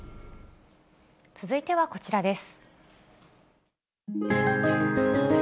続いてはこちらです。